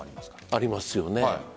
ありますよね。